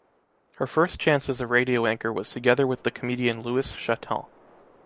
Her first chance as a radio anchor was together with the comedian Luis Chataing.